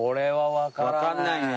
わかんないね。